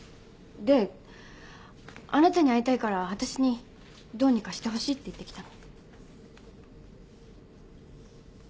であなたに会いたいからわたしにどうにかしてほしいって言ってきたの。